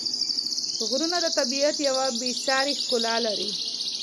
غرونه د طبیعت یوه بېساري ښکلا لري.